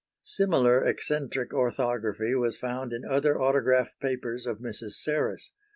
Similar eccentric orthography was found in other autograph papers of Mrs. Serres.